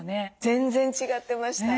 全然違ってました。